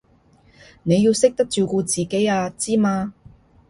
你要識得照顧自己啊，知嘛？